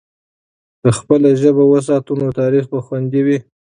که خپله ژبه وساتو، نو تاریخ به خوندي وي.